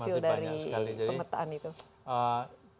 hasil dari pemetaan itu